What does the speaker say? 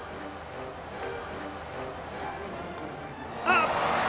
あっ！